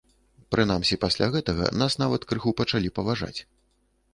Прынамсі пасля гэтага нас нават крыху пачалі паважаць.